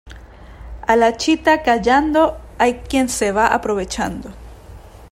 A la chita callando, hay quien se va aprovechando.